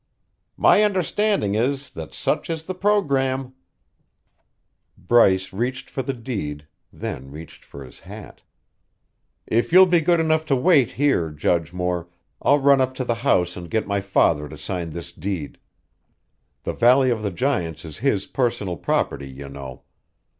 "My understanding is that such is the programme." Bryce reached for the deed, then reached for his hat. "If you'll be good enough to wait here, Judge Moore, I'll run up to the house and get my father to sign this deed. The Valley of the Giants is his personal property, you know.